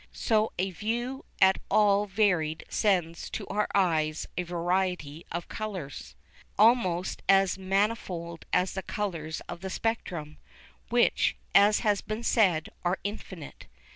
So a view at all varied sends to our eyes a variety of colours, almost as manifold as the colours of the spectrum, which, as has been said, are infinite.